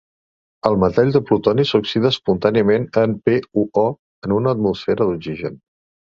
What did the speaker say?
El metall del plutoni s'oxida espontàniament en PuO en una atmosfera d'oxigen.